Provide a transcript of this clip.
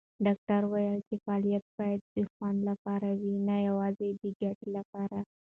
ډاکټره وویل چې فعالیت باید د خوند لپاره وي، نه یوازې د ګټې لپاره.